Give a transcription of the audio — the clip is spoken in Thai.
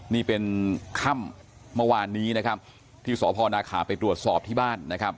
นี่เป็นค่ำเมื่อวานนี้นะครับที่สพนาขาไปตรวจสอบที่บ้านนะครับ